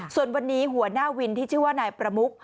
ส่วนวันนี้หัวหน้าวินที่ชื่อว่านายประมุก